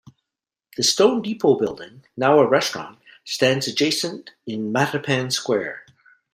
The stone depot building, now a restaurant, stands adjacent in Mattapan Square.